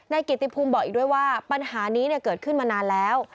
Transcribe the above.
เกียรติภูมิบอกอีกด้วยว่าปัญหานี้เกิดขึ้นมานานแล้ว